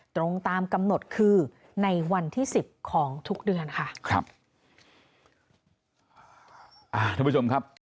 ตรงตามกำหนดคือในวันที่๑๐ของทุกเดือน